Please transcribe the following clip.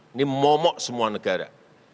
ini momok semua negara